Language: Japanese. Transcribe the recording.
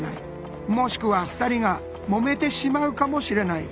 もしくは２人がもめてしまうかもしれない。